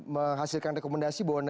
menghasilkan rekomendasi bahwa